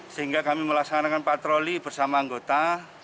sehingga kami melaksanakan patroli bersama anggota